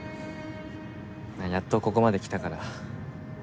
やっとここまできたから。